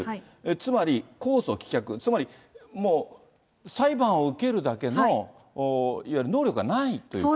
つまり控訴棄却、つまりもう裁判を受けるだけのいわゆる能力がないというか。